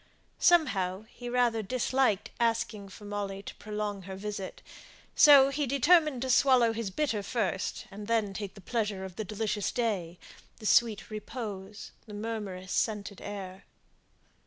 Somehow, he rather disliked asking for Molly to prolong her visit; so he determined to swallow his bitter first, and then take the pleasure of the delicious day, the sweet repose, the murmurous, scented air.